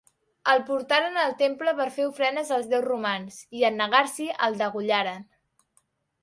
El portaren al temple per fer ofrenes als déus romans i, en negar-s'hi, el degollaren.